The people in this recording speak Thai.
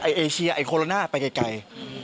เอเชียไอโคโรนาไปไกล